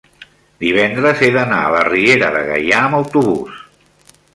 divendres he d'anar a la Riera de Gaià amb autobús.